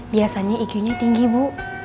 biasanya iq nya tinggi bu